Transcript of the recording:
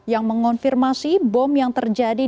yang mengonfirmasi bom yang terjadi